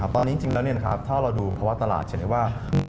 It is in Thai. ตอนนี้จริงแล้วถ้าเราดูภาวะตลาดจะเห็นได้ว่า